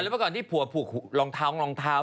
แล้วก็ก่อนที่ผัวผูกรองเท้า